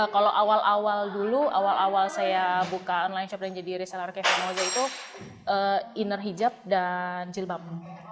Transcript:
kalau awal awal dulu awal awal saya buka online shop dan jadi reseller kevin ozo itu inner hijab dan jilbab